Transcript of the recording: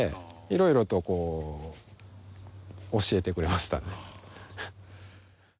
いろいろとこう教えてくれましたね。